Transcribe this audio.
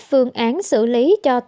phương án xử lý cho tỉnh